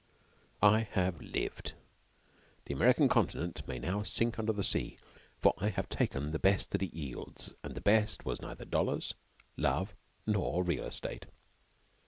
I HAVE lived! The American Continent may now sink under the sea, for I have taken the best that it yields, and the best was neither dollars, love, nor real estate.